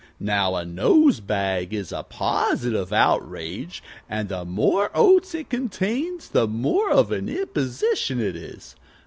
Now, a nose bag is a positive outrage, and the more oats it contains the more of an imposition it is.